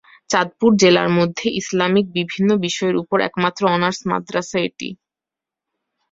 চাঁদপুর জেলার মধ্যে ইসলামিক বিভিন্ন বিষয়ের উপর একমাত্র অনার্স মাদ্রাসা এটি।